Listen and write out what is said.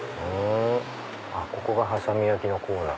ここが波佐見焼のコーナー。